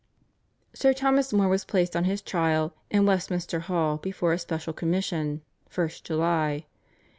Sir Thomas More was placed on his trial in Westminster Hall before a special commission (1st July).